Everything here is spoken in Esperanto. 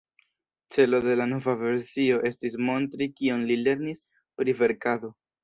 Celo de la nova versio estis montri kion li lernis pri verkado.